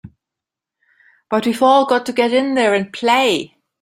But we've all got to get in there and play!